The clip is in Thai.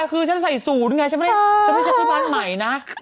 คือเครื่องใส่สูตรไงผมไม่ได้ใช้ในประมาณใหม่นะ